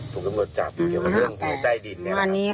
ถูกกำจับเกี่ยวมาเรื่องในใจดิน